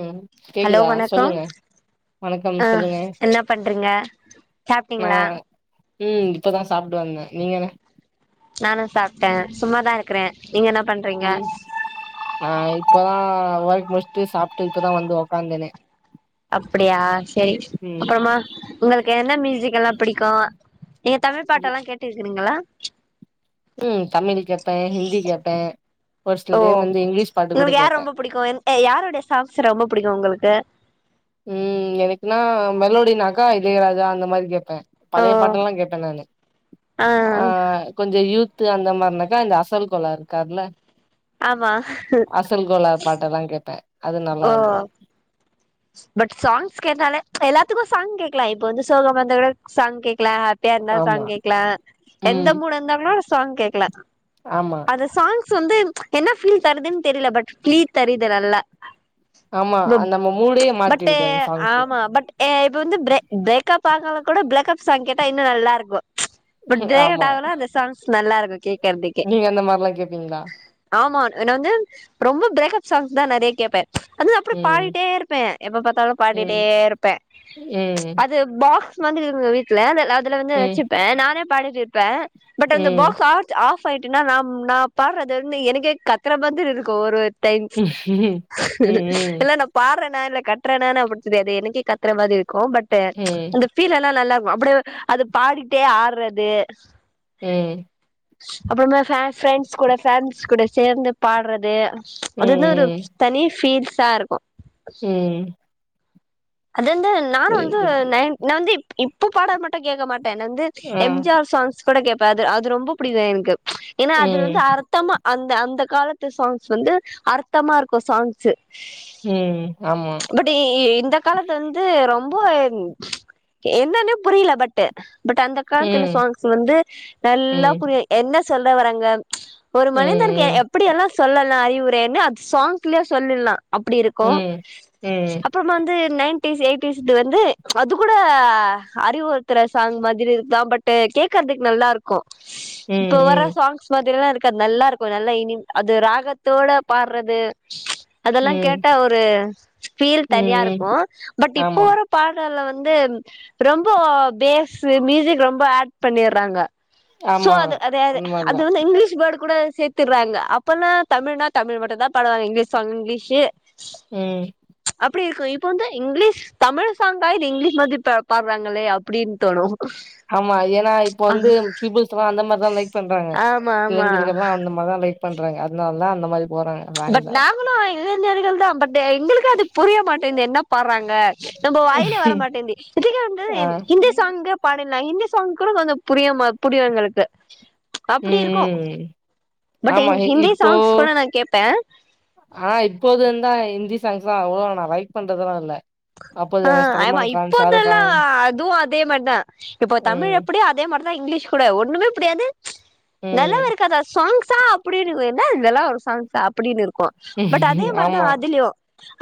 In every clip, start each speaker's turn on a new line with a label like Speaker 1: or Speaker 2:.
Speaker 1: ம்
Speaker 2: ஹலோ
Speaker 1: கேக்குதா
Speaker 2: வணக்ககோ
Speaker 1: சொல்லுங்க வணக்கம்
Speaker 2: ஆ
Speaker 1: சொல்லுங்க
Speaker 2: என்ன பண்றீங்க
Speaker 1: நா
Speaker 2: சாப்பிட்டீங்களா
Speaker 1: ம் இப்பதா சாப்புட்டு வந்த நீங்கங்க
Speaker 2: நானு சாப்ட சும்மாதா இருக்குற
Speaker 1: ம் நா இப்பதா முடுச்சுட்டு சாப்புட்டு இப்பதா வந்து உக்காந்தனே
Speaker 2: அப்டியா சேரி அப்புறமா உங்களுக்கு என்ன மியூசிக் எல்லா பிடிக்கு நீங்க தமிழ் பாட்டெல்லா கேட்டிருக்கிறீங்களா [inaudible]
Speaker 1: ம் தமிழியு கேப்ப ஹிந்தி கேப்ப
Speaker 2: ஓ உங்களுக்கு யார்
Speaker 1: கேப்பே
Speaker 2: ரொம்ப புடிக்கு யாருடைய சாங்ஸ் ரொம்ப புடிக்கு உங்களுக்கு
Speaker 1: ம் எனக்குன்னா மெலோடினாக்கா இளயராஜா அந்த மாரி கேப்ப
Speaker 2: ஓ
Speaker 1: பழைய பாட்டெல்லா கேப்ப நானு ஆ கொஞ்ச யூத் த்து அந்த மாரினாக்கா இந்த அசல் கொலாரு இருக்காருல
Speaker 2: ஆமா
Speaker 1: அசல் கோலாரு பாட்டெல்லாங் கேப்ப அது
Speaker 2: ஓ
Speaker 1: நல்லாருக்கு
Speaker 2: பட் சாங்ஸ் கேட்டாலே எல்லாத்துக்கு சாங் கேக்கலா இப்போ வந்து சோகம் வந்த கூட சாங் கேக் லா ஹாப்பியா இருந்தா
Speaker 1: ஆமா
Speaker 2: சாங் கேக்கலா எந்த
Speaker 1: ம்
Speaker 2: மூடா இருந்தாலுஸ் சாங் கேக்கலா
Speaker 1: ஆமா
Speaker 2: அது சாங் ஸ் வந்து என்ன பீல்தருதுன் தெரில பட் பீல் தருது நல்லா
Speaker 1: ஆமா அ நம்ம மூணு
Speaker 2: ச் பட் ஆமா பட் ஏ இப்ப வந்து ப்ரே ப்ரேக்கப் ப காவக்கூட ப்ளக்கஅப் சாங்கேட்டா இன்னு நல்லா இருக்கு ச் பட்
Speaker 1: ஆமா
Speaker 2: ஜெய்கண்டாதனா இந்த சாங்ஸ் நல்ல இருகு ஹெர்திகே
Speaker 1: நீங்க அந்த மாரிலா கேப்பீங்களா?
Speaker 2: ஆமா என்ன வந்து ரொம்ப ப்ரேக்கப் சாங் தா நெறய கேப்பே அதுவு அப்ற
Speaker 1: ம்,
Speaker 2: பாடிட்டே இருப் பே எப்ப பாத்தாலு பாடிட்டே
Speaker 1: ம்,
Speaker 2: இருப்பே
Speaker 1: ம்,
Speaker 2: அது போ பாக்ஸ் வந்திரு வீட்டுல வெல்ல இதுல வந்து
Speaker 1: ம்,
Speaker 2: வச்சிப்பே நானே பாடிட்டு இருப்பே பட் அந்த
Speaker 1: ம், ம்,
Speaker 2: பாக்ஸ் ஆத் ஆஃப் பாய்ட்டனா ந நா பாட்றது வந்து எனக்கே கத்ர மாரி இருக்கு ஒரு டைம்
Speaker 1: ம், ம்,
Speaker 2: இல்ல நா பாட்ற நா இல்ல கத்ற நான [unintelligible] அது எனக்கே கத்ற மாதிரி இரு கோ பட்
Speaker 1: ம்,
Speaker 2: அந்த பீல்ல்லா நல்லா ம அப்டிய அது பாடிட்டே ஆட்றது
Speaker 1: ம்
Speaker 2: அப்றமா ஃபேன் ப்ரண்ட்ஸ் கூட ஃபேண்ட்ஸ் கூட சேர்ந்து பாட்றது அதுன்னா ஒரு தனி பீல் சா இருக்கு
Speaker 1: ம் ம்
Speaker 2: அது வந்து நானு வந்து நயன் நந்திப் இப்ப பாட மாட்ட கேக்க மாட் டநந்து
Speaker 1: ஆ,
Speaker 2: எம் ஜி ஆர் சாங்ஸ் கூட கேப்பே அது ரொம்ப அது அது புடிக்கிது எனக்கு ச் ஏன்னா அதுல
Speaker 1: ம்,
Speaker 2: வந்து அர்த்தமா அந் த அந்த காலத்து சாங்ஸ் வந்து அர்த்தமா இருக்கு சாங்ஸு
Speaker 1: ம் ஆமா
Speaker 2: பாட்டு வந்து ரொம்ப ச் என்னன்னே புரீல பட் பட் அந்த காலத்துல
Speaker 1: ம்,
Speaker 2: சாங்ஸ் வந்து நல்லா
Speaker 1: ம்,
Speaker 2: புரியும் என்ன சொல் த வராங்க ஒரு
Speaker 1: ம்,
Speaker 2: மனிதருக்கு
Speaker 1: ம்,
Speaker 2: எப்படி எல்லாம் சொல்லலாம் அறிவு இவரு என்ன அப்ஸ் சாங்க்லே சொல்லில்லா அப்டி இருக்கும்
Speaker 1: ம், ம்,
Speaker 2: அப்புறமா வந்து நைன்டீஸ் எயிட்டிஸு வந்து அது கூட அறிவுறுத்துற சாங் மாதிரி இருக்கு பட்டு கேக்கறதுக்கு நல்லா இருக்கும் இப்ப வற
Speaker 1: ம்,
Speaker 2: சாங்ஸ் மாதிரிலாம் இருக் க நல்லா இருக்கும் நல்லா இனி அது ராகத்தோட பாறது அதெல்லாம்
Speaker 1: ம்,
Speaker 2: கேட்டா ஒரு பீல் தனியா இருக்
Speaker 1: ம்,
Speaker 2: கும் பட் இப்ப
Speaker 1: ஆமா,
Speaker 2: வர பாடல்ல வந் வந்து ரொம்ப பேஸு மியூசிக் ரொம்ப ஆட் பண்ணிறாங்க சோ
Speaker 1: ஆமா,
Speaker 2: அது அதே
Speaker 1: அந்த
Speaker 2: அது
Speaker 1: மாரிதான்.
Speaker 2: வந்து இங்லிஷ் வேட் கூட சேத்துறாங்க அப்பல்லாம் தமிழ்னா தமிழ் மட்டும்தான் பாடுவாங்க இங்கிலீஷ் சாங்கு இங்கிலீஷ்
Speaker 1: ம்
Speaker 2: இப்டி இருக்கும் இப் போ வந்து இங்கிலீஷ் தமிழ் சாங்கா இல்ல இங்கிலீஷ் மாதிரி பாடுறாங்களே அப்டின்னு தோணும்
Speaker 1: ஆமா ஏன்னா இப்ப வந்து பீபிள்ஸ்லாம் அந்த மாரிதான் லைக் பண்றாங்க
Speaker 2: ஆமா ஆமா
Speaker 1: இளைஞர்கள்லாம் அந்த மாதிரிதான் லைக் பண்றாங்க அதனால தான் அந்த மாரி போறாங்க
Speaker 2: பட்
Speaker 1: வேன்ல
Speaker 2: நாங்களும் இளைஞர்கள் தான் பட்டு எங்களுக்கே அது புரிய மாட்டேங்கிது என்ன பாட்றாங்க நம்ப வாயிலே வரமாட்டேங்கிது இதுகே வந்து
Speaker 1: ஆ
Speaker 2: ஹிந்தி சாங்கு பா சென்ல ஹிந்தி சாங் கூட கொஞ்சம் புரியுமா புரியும் எங்களுக்கு
Speaker 1: ம்
Speaker 2: அப்டிருக்கும்
Speaker 1: ம்
Speaker 2: பட்
Speaker 1: ஆமா
Speaker 2: ஹிந்தி சாங்ஸ் கூட நா கேப் பே
Speaker 1: ஆ இப்போதுந்தான் ஹிந்தி சாங்ஸ்ல்லா அவ்லே நா லைக் பண்றதுல்லா இல்ல அப்போது
Speaker 2: ஆ ஆமா
Speaker 1: சல்மான் கான் ஷாருக்
Speaker 2: இப்போதெல்லா
Speaker 1: கான்
Speaker 2: அதுவு அதே மாரிதா இப்போ தமிழ்
Speaker 1: ம்
Speaker 2: எப்டியோ அதே மாரிதா இங்கிலீஷ்கூட ஒண்ணுமே அப்டி அது நல்லாவே
Speaker 1: ம்
Speaker 2: இருக்காதா சாங்ஸ் சா அப்டின்னு இருக்கும் என்னா இதெல்லாம ஒரு சாங்ஸா அப்டின்னு இருக் கோ பட் அதே மாரிதா
Speaker 1: ஆமா
Speaker 2: அதுலயு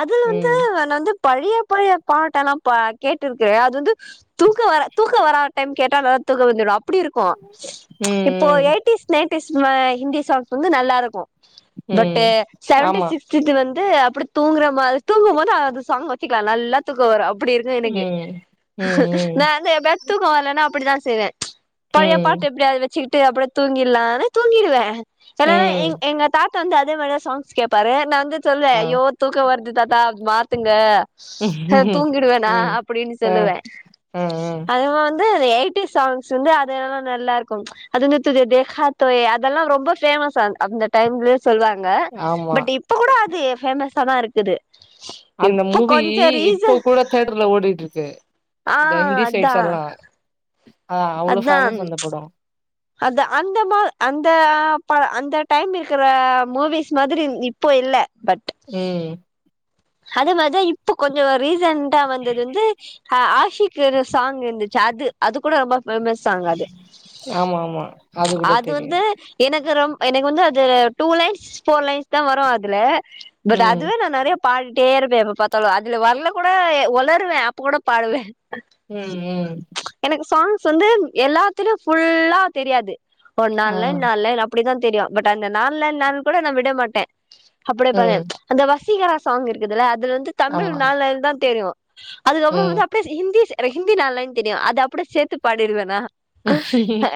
Speaker 2: அதுல வந்து
Speaker 1: ம்
Speaker 2: நா வந்து பழைய பழைய பாட்டெல்லா கேட்டுருக்கிறேன் அது வந்து தூக்க வரா தூக்க வரா டைம் கேட்டா நல்லா தூக்க வந்துரும் அப்டி இருக்கு
Speaker 1: ம்
Speaker 2: இப்போ
Speaker 1: ம்
Speaker 2: எய்ட்டிஸ் நைன் டீஸ்ல ஹிந்தி சாங் வந்து நல்லாருக்கு
Speaker 1: ம்
Speaker 2: பட்டு செவெண்டி
Speaker 1: ஆமா
Speaker 2: சிக்ஸு வந் து அப்டி தூங்குற மாரி தூங்கு போது அது சாங்க வெச்சிக்க நல்லா தூக்கோ வரு அப் அப்டி இருக்கு எனக்கு
Speaker 1: ம் ம் ம்
Speaker 2: நானு எப்பயாது தூக்கோ வர்லன்னா அப்படி தான் சேரியா பழைய
Speaker 1: ம்
Speaker 2: பாட்டு எப்டியாது வெச்சுகிட் ட்டு அப்டியே தூங்கிடலானு தூங்கிடுவ எல்லாரு
Speaker 1: ம்
Speaker 2: எங் எங்க தாத் தந்து அதே மாரே சாங்ஸ் கேப்ப அதே நா வந்து சொல்வ
Speaker 1: ஆ
Speaker 2: ஐயோ தூக்கோ வரு வருது தாத்தா மாத்துங்க தூங்கிடுவேனா
Speaker 1: ம்
Speaker 2: அப்டினு
Speaker 1: ஆ
Speaker 2: சொல்லுவ
Speaker 1: ஆ ஆ
Speaker 2: அதிகமா வந் து எயிட்டி சாங்ஸ் வந்து அது எல்லா நல்லா இருக்கு அது தெஆஹதூயே அதெல்லா ரொம்ப பேமஸ் சாங் அந்த டைம்லியே சொல்வாங்க
Speaker 1: ஆமா
Speaker 2: பட் இப்ப கூட அது பேமஸ்தா இருக்குது
Speaker 1: அந்த மூ
Speaker 2: இப்போ
Speaker 1: மூவி
Speaker 2: கொஞ்சோ
Speaker 1: இப்போ
Speaker 2: ரீசன்
Speaker 1: கூட தியேட்டர்ல ஓடிட்டுருக்கு
Speaker 2: ஆ
Speaker 1: இந்த ஹிந்தி
Speaker 2: அதா
Speaker 1: சைட்ஸ் எல்லா ஆ அவ்ளோ
Speaker 2: அதா
Speaker 1: ஃபேமஸ் அந்த படோ
Speaker 2: அது அந்த மா அந்த பா அந்த டைம் இருக்குற மூவிஸ் மாதிரி இப்போ இல்ல பட்
Speaker 1: ம்
Speaker 2: அதே மாரிதா இப்ப கொஞ்ச ரீசெண்டா வந்தது வந்து ஆ ஆஷிக்கு சாங்கு இருந்துச்சு அது அது கூட ரொம்ப ஃபேமஸ் சாங் அது
Speaker 1: ஆமா ஆமா கூட
Speaker 2: அது
Speaker 1: தெரியு
Speaker 2: வந்து எனக்கு ரொம் எனக்கு வந்து அது டூ லைன்ஸ் போர் லைன்ஸ்தா வரு அதுல பட்
Speaker 1: ம்
Speaker 2: அதுவே நா நெறயப் பாடிட்டே இருப்பே எப்ப பாத்தாலு அதுல வர்ல கூட ஒளருவ அப்ப கூட பாடுவ
Speaker 1: ம் ம்
Speaker 2: எனக்கு சாங் சோ வந்து எல்லாத்துலயு ஃபுல்லா தெரியாது ஒரு
Speaker 1: ஆ
Speaker 2: நால்லைன் நால்லைன் அப்டிதான் தெரியு பட் அந்த நால்லைன்னால் கூட நா விட மாட்ட அப்டியே பாருங்க
Speaker 1: ம்
Speaker 2: அந்த வஸ் சீக்கிரஸ் சாங் இருக்குதுல அது வந்து தமிழ்
Speaker 1: ஆமா
Speaker 2: நாலு லைன்தா தெரியு அதுக்கப்பறோ
Speaker 1: ம்
Speaker 2: வந்து அப்டியேஸ் ஹிந்திஸு ரெஹிந்தி நால்லைன் தெரியு அது அப்டியே சேத்து பாடிருவனா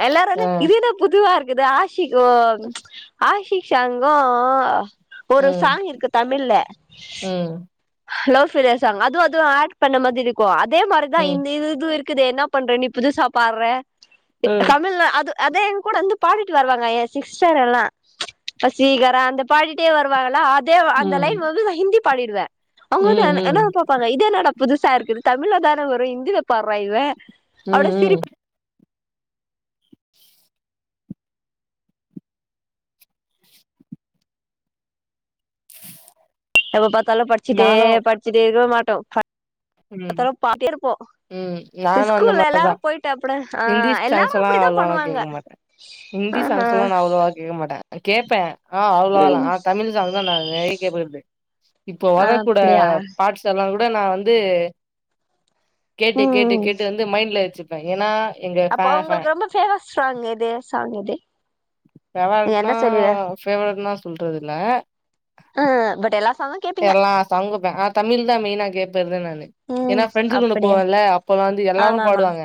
Speaker 2: எல்லாரு வந்து
Speaker 1: ஆ
Speaker 2: இது என்ன புதுவா இருக் இதா சிக்கு ஹாஷி சங்கோ ஒரு
Speaker 1: ம்
Speaker 2: சாங் இருக்கு தமிழ்ல
Speaker 1: ம்
Speaker 2: லவ் பெய்லியர் சாங் அதுவு அது ஏட் பண்ண மாரி இருக்கு அத் இதே மாரிதா
Speaker 1: ம்
Speaker 2: இந்த இது இது இருக் இருக்குதே என்ன பண்ற நீ புதுசா பாற்ற
Speaker 1: ம்
Speaker 2: தமிழ்ல அது அதா எங்க கூட வந்து பாடிட்டு வருவாங்க எ சிஸ்டர் எல்லா வசீகரா அந்த பாடிட்டே வருவாங்களா ஆடி தே
Speaker 1: ம்
Speaker 2: அந்த லைன் வந்து நா ஹிந்தி பாடிடுவ
Speaker 1: ம்
Speaker 2: அவங்க வந்து என்ன என்ன
Speaker 1: ம்
Speaker 2: பாப்பாங்க இது என்னடா புதுசா இருக்குது தமிழ்ல தான வரு ஹிந்தில பாற்றா இவ
Speaker 1: ம்
Speaker 2: அப்டியே
Speaker 1: ம்
Speaker 2: சிரிப் எப்ப பாத்தாலு படுச்சுட்டே
Speaker 1: நானு
Speaker 2: படுச்சுட்டே இருக்க மாட் டோ
Speaker 1: ம் ம் நானு அந்த
Speaker 2: ஸ்கூல்ல
Speaker 1: மாரிதா
Speaker 2: எல்லாரு போயிட்டு அப்ட ஆ
Speaker 1: ஹிந்தி
Speaker 2: எல்லாரு
Speaker 1: சாங்ஸ்லா
Speaker 2: அப்டிதா
Speaker 1: அவ்ளோவாலா
Speaker 2: பண்ணுவாங்க
Speaker 1: கேக்க மாட்ட ஹிந்தி
Speaker 2: ஆஹா
Speaker 1: சாங்ஸ் எல்லா நா அவ்ளோவா கேக்க மாட்ட அது கேப்ப ஆ அவ்ளோலா
Speaker 2: ம்
Speaker 1: ஆ தமிழ் சாங்ஸ்தா நா நெறய கேக்குறது இப்போ வரக்கூட
Speaker 2: அப்டியா
Speaker 1: பாட்ஸ் எல்லாங் கூ தா நா வந் து கேட்டு கேட்டு
Speaker 2: ம்
Speaker 1: கேட்டு ந்து மைண்ட்ல வச் ஏனா
Speaker 2: அப்போ உங்களுக்கு ரொம்ப ஃபேவரட் ஸ்ராங் எது சாங்கிது
Speaker 1: பேவரட்னா ஃபேவரட்னா சொல்றதுல்ல
Speaker 2: ஆ பட் எல்லா சாங்கு கேப்பீங்க
Speaker 1: எல்லா சாங்குப் ஏப் தமிழ் தா மெய்னா கேட்டர்து நானு ஏன்னா
Speaker 2: ம்
Speaker 1: ஃப்ரெண்ட்ஸு கூட
Speaker 2: அப்படியா
Speaker 1: போவேன்ல அப்பல்லா வந்து எல்லாரு
Speaker 2: ஆமாமா
Speaker 1: பாடுவாங்க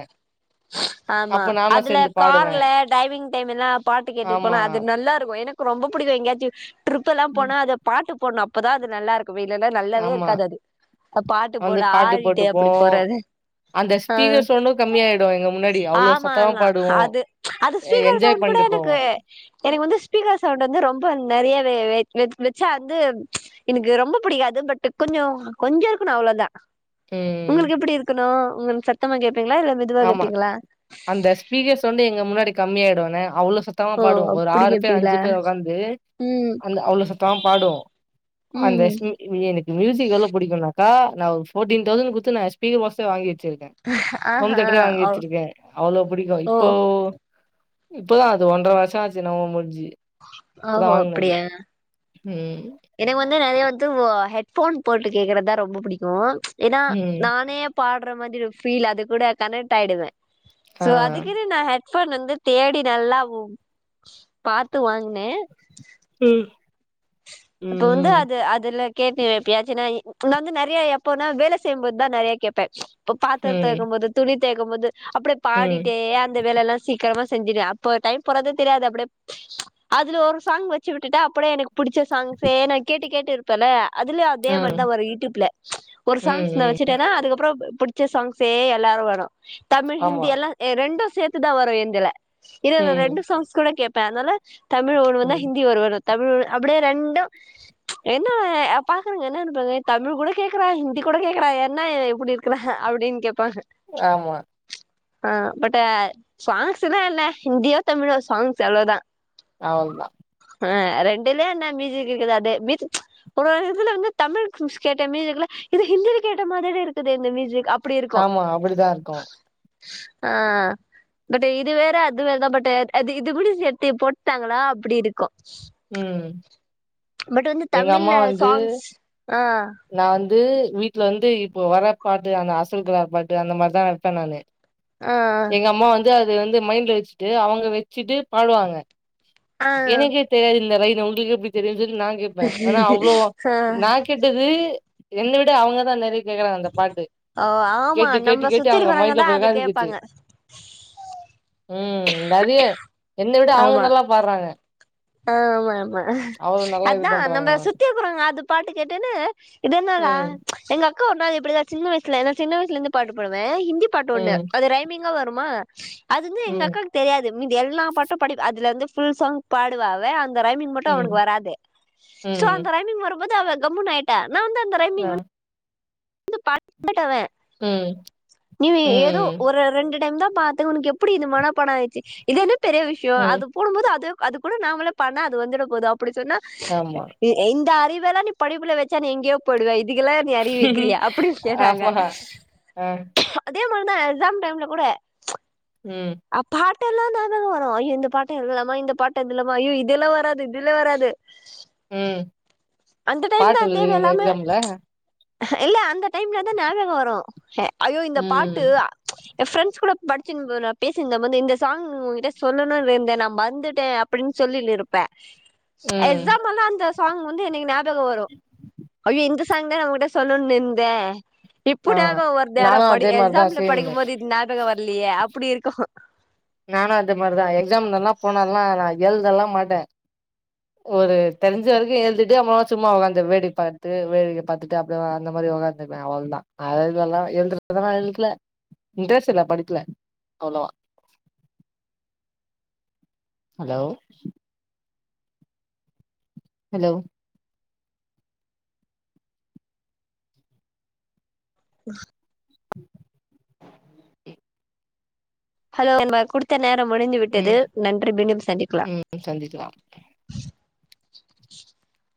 Speaker 2: ஆமா
Speaker 1: அப்ப நானு
Speaker 2: அதுல
Speaker 1: சேந்து பாடுவே
Speaker 2: கார்ல டைவிங் டைமெல்லா பாட்டு கேட்டுட்டு
Speaker 1: ஆமா
Speaker 2: போனா அது நல்லா இருக்கு எனக் கு ரொம்ப புடிக்கு எங்கயாச்சு ட்ருப்பெல்லா
Speaker 1: ம்
Speaker 2: போனா அத பாட்டு போட்னு அப்பதா அது நல்லாருக் பொவைலல நல்லாவே
Speaker 1: ஆமா
Speaker 2: இருக்காது அது அத பாட்
Speaker 1: வந்து
Speaker 2: போட
Speaker 1: பாட்டு
Speaker 2: ஆடிட்டு
Speaker 1: போட்டுப்போ
Speaker 2: எப்டி போறது
Speaker 1: அந்த
Speaker 2: அ
Speaker 1: ஸ்பீக்கர் சவுண்டு கம்மியாயிடு எங்க முன்னாடி அவ்ளோ சத்தமா
Speaker 2: ஆமால்னா
Speaker 1: பாடுவோ
Speaker 2: அது அது
Speaker 1: எ
Speaker 2: ஸ்பீக்கர்
Speaker 1: என்ஜாய்
Speaker 2: சவுண்ட் கூட
Speaker 1: பண்ட்டு
Speaker 2: எனக்கு
Speaker 1: போவோ
Speaker 2: எனக்கு வந்து ஸ்பீக்கர் சவுண்ட் வந்து ரொம்ப நெறைய வெ வெச் வெச் வெச்சா வந்து எனக்கு ரொம்ப புடிக்காது பட் கொஞ்ச கொஞ்ச இருக்குணு அவ்ளதா
Speaker 1: ம்
Speaker 2: உங்களுக்கு எப்டி இருக்குணு உங்களுக் சத்தமா கேக்
Speaker 1: ஆமா அந்த ஸ்பீக்கர்ஸ் வந்து எங்க முன்னாடி கம்மியாயிடுன அவ்ளோ சத்தமா
Speaker 2: ஓ
Speaker 1: பாடுவோ ஒரு
Speaker 2: அப்டி
Speaker 1: ஆறு பேர் அஞ்சு
Speaker 2: கேப்பீங்களா
Speaker 1: பேர் ஒக்காந்து
Speaker 2: ம்
Speaker 1: அந் அவ்ளோ சத்தமா பாடுவோ அந்த
Speaker 2: ம்
Speaker 1: சிங்கிவினக்கு மியூசிக் எவ்ளோ புடிக்குன்னாக்க நா ஒரு ஃபோட்டீன் தௌசண்ட் குத்து நா ஸ்பீக்கர் மௌவ்ஸே வாங்கிட் ச்சிருக்கே ம்
Speaker 2: ஆஹா
Speaker 1: தேட்ர வாங்கி
Speaker 2: ஓ
Speaker 1: ச்சிருக்கே அவ்ளோ புடிக்கு
Speaker 2: ஓ
Speaker 1: ப்போ ப்பதா அது ஒன்ட்ர வர்ஷ ஆச்சு நவ முஞ்சு
Speaker 2: ஒஒ அப்படியா
Speaker 1: ம்
Speaker 2: எனக் வந்து நெறைய துவ ஹெட்போன் போட்டு கேக்கறதா ரொம்ப புடிக்கு என்னா
Speaker 1: ம்
Speaker 2: நானே பாட் ட்ர மாரி பீல் அது கூட கனட் ஆயிடுவே
Speaker 1: ஆ
Speaker 2: சோ அதுக்குனு நா ஹச் ஸ்சோன் வந்து தேடி நல்லாவ் பாத்து வாங்ன
Speaker 1: ம்
Speaker 2: அப்ப வந்து
Speaker 1: ம்
Speaker 2: அது அதுல்ல கேட்டு எப்பியாச்சுன்னா உன்ன வந்து நெறைய எப்பனா வேல செய்யும்போதுதா நெறைய கேப்ப அப்ப பாத்துரத்த
Speaker 1: ம்
Speaker 2: வெளக்கும் போது துணி தொவைக்கும் போது அப்டியே
Speaker 1: ம்
Speaker 2: பாடிட்டே அந்த வேல எல்லா சீக்கிரமா செஞ்சுடுவ அப்ப டைம் போறதே தெரியாது அப்டியே அதுல ஒரு சாங் வெச்சு விட்டுட்டா அப்டியே எனக்கு புடுச்ச சாங் சேர் நா கேட்டு கேட்டு இருப்பனா அதுலயு அதே
Speaker 1: ஆ
Speaker 2: மாரிதா வரு யூடியூப்ல ஒரு
Speaker 1: ம்
Speaker 2: சாங்ஸ்ல
Speaker 1: ம்
Speaker 2: வெச்சுட்டன்னா அதுக்கப்பறோ புடுச் புடுச்ச சாங்ஸே எல்லாரு வரு தமிழ்
Speaker 1: ஆமா
Speaker 2: ஹிந்தி எல்லா ரெண்டுஸ் சேத்துதா வரு எந்துல இது
Speaker 1: ம்
Speaker 2: ரெண்டு சாங்ஸ் கூட கேப் பேனல்லு தமிழ் ஒரு வந்தா
Speaker 1: ம்
Speaker 2: ஹிந்தி ஒரு வரு தமிழ் அப்டியே ரெண்டு என்ன பாக்குறவங்க என்ன நெனைப்பாங்க தமிழ் கூட கேக்குறா ஹிந்தி கூட கேக்குறா என்ன இப்டி இருக்குறா அப்டின் கேப்பாங்க
Speaker 1: ஆமா
Speaker 2: ஆ பட்டு சாங்ஸ்தா இல்ல ஹிந்தியோ தமிழோ சாங்ஸ் அவ்ளோதா
Speaker 1: அவ்ளதா
Speaker 2: ஆ ரெண்டுல என்ன மியூசிக் இருக்குது அதே மியூசிக் ஒரே இதுல வந்து தமிழ் கேட்ட மியூசிக்ல இது ஹிந்திய கேட்ட மாதிரி இருக்குது இந்த மியூசிக் அப்
Speaker 1: ஆமா அப்டிதா இருக்கு
Speaker 2: ஆ பட் இது வேற அது வேறதா பட்டு அது இது முடி சேத்து போட்டாங்களா அப்டி இருக்கு
Speaker 1: ம்
Speaker 2: பட் வந்து
Speaker 1: எங்க
Speaker 2: தமிழ்ல
Speaker 1: அம்மா வந்து
Speaker 2: சாங்ஸ் ஆ
Speaker 1: நா வந்து வீட்ல வந்து இப்போ வர பாட்டு அந்த அசல் கலார பாட்டு அந்த மாரிதா வெப்ப நானு
Speaker 2: ஆ
Speaker 1: எங்க அம்மா வந்து அ அது வந்து மைண்ல வெச்சுட்டு அவங்க வெச்சுட்டு பாடுவாங்க
Speaker 2: ஆ
Speaker 1: எனக்கு தெரியாது இந்த லை உங்களுக்கு எப்டி தெரிஞ்சது நா கேப்பே ஆனா அவ்ளோ
Speaker 2: ஆ
Speaker 1: நா கேட்டது என்ன விட அவுங்க தா நெறய கேக்குறாங்க அந்த பாட்டு
Speaker 2: ஓ ஆமா
Speaker 1: கேட்டு கேட்டு
Speaker 2: நம்ம
Speaker 1: கேட்டு
Speaker 2: சுத்தி
Speaker 1: அவங்க மைண்ல
Speaker 2: இருக்கிறவங்கதா
Speaker 1: போய்
Speaker 2: அது கேப்பாங்க
Speaker 1: உக்காந்துக்குச்சு ம் என்னாது என்ன விட அவுங்க
Speaker 2: ஆமா
Speaker 1: நல்லா பாடுறாங்க
Speaker 2: ஆமா
Speaker 1: அவ்ளோ நல்லா இது
Speaker 2: அதா
Speaker 1: பண்றாங்க
Speaker 2: நம்ம
Speaker 1: அவங்க.
Speaker 2: சுத்தி இருக்குறவுங்க அது பாட்டு கேட்டோனே இதென்னா வா
Speaker 1: ம்
Speaker 2: எங்க அ க்கு ஒரு நாள் இப்டிதா சின்ன வயசுல நா சின்ன வயசுல இருந்தே பாட்டு பாடுவே பாட்டு ஒன்னு
Speaker 1: ம்
Speaker 2: அது ரைமிங் ங்க வருமா அது வந்து எங்க
Speaker 1: ம்
Speaker 2: அக்காக்கு தெரியாது மீதி எல்லா பாட்டு படி அதுல இருந்து புல் சாங் பாடுவா அவ அந்த ரைமிங் மட்டு அவனுக்கு
Speaker 1: ம்
Speaker 2: வராது சோ அந்த
Speaker 1: ம்
Speaker 2: ரைமிங் வர வரும்போது அவ கம்முனு ஆயிட்டா நா வந்து அந்த
Speaker 1: ஆ
Speaker 2: ரைமிங் வ பட்ட அவன்
Speaker 1: ம்
Speaker 2: [unintelligible] நீ ஏதோ
Speaker 1: ம்
Speaker 2: ஒரு ரெண்டு டைம் தா பாத்த உனக்கு எப்டி இது மனப்பாட ஆயிடுச்சு இது என்ன பெரிய விஷய
Speaker 1: ம்
Speaker 2: அது போடும்போது அது அது கூட நாமள பண்ணா அது வந்துட போது அப்டி சொன்னா
Speaker 1: ஆமா
Speaker 2: இந்த அறிவு இதெல்லா நீ படிப்புல வச்சா நீ எங்கேயோ போய்டுவ இது இதுக்கெலா நீ அறிவி அப்டியு கேட்டாங்க
Speaker 1: ஆமா அ
Speaker 2: அதே மாரிதா எக்ஸாம் டைம்ல கூட
Speaker 1: உம்
Speaker 2: பாட்டல்லாம் வரு ஐயோ இந்த பாட்டு எழுதலாமா இந்த பாட்டு எழுதலாமா ஐயோ இதெலா வராது இதெலா வராது
Speaker 1: ம்
Speaker 2: அந்த டைம்
Speaker 1: பாட்டு
Speaker 2: தான் தேவை
Speaker 1: எழுதுவிங்கள
Speaker 2: எல்லாமே
Speaker 1: எக்ஸாம்ல
Speaker 2: இல்ல அந்த டைம்ல தா ஞாபக வரு ஹே ஐயோ இந்த
Speaker 1: ம்
Speaker 2: பாட்டு அ என் ஃப்ரெண்ட்ஸ் கூட படிச்சு நா பேசியிருந்த போது இந்த சாங் உங்ககிட்ட சொல்லணும்னு இருந்தே நா மறந்துட்டே அப்டின்னு சொல்லினு இருப்பா
Speaker 1: ம்
Speaker 2: எக்ஸாமல்லா அந்த சாங் வந்து எனக்கு ஞாபக வரு ஐயோ இந்த சாங் தா உடு சொல்லநுந்த இப்ப
Speaker 1: ஆ
Speaker 2: ஞாபக வர்து அட
Speaker 1: நானு
Speaker 2: படி
Speaker 1: அதே மாரிதா
Speaker 2: எக்ஸாம்ல படிக்கு
Speaker 1: சேம்மு
Speaker 2: போது இது ஞாபக வர்லியே ப்டி இருக்கஹ
Speaker 1: நானு அது மாரிதா எக்ஸாம்ல்லா போனல்லா நா எழுதலா மாட்டே ஒரு தெரிஞ்ச வரைக்கு எழுதிட்டு அவ்ள சும்மா உகாந்து வேடிக் பாத்துட்டு வேடிக்க பாத்தட்டு அப்படிய அந்த மாதிரி உகாந்துருவே அவ்ளதா இதுல்லா எழுதுத எழுக்கல இன்ட்ரெஸ்ட் இல்ல படிக்கல அவ்ளோவா ஹலோ ஹலோ
Speaker 2: [inaudible]
Speaker 1: [inaudible]
Speaker 2: ஹலோ எ ம குடுத்தனே ன முடிஞ்சு விட்டது
Speaker 1: ம்
Speaker 2: நன்றி மீண்டும் சந்திக்கலாம்
Speaker 1: ம் சந்திக்கலா
Speaker 2: [inaudible]